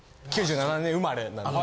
９７年生まれなので。